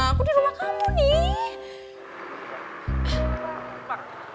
aku di rumah kamu nih